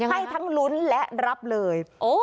ให้ทั้งลุ้นและรับเลย